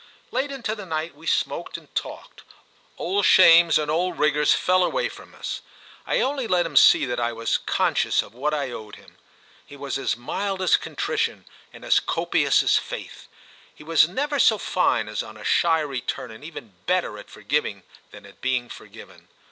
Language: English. Late into the night we smoked and talked; old shames and old rigours fell away from us; I only let him see that I was conscious of what I owed him. He was as mild as contrition and as copious as faith; he was never so fine as on a shy return, and even better at forgiving than at being forgiven.